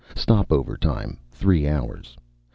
Stop over time, three hours.